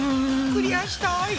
クリアしたい！